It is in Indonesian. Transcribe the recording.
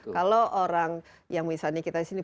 kalau orang yang misalnya kita sini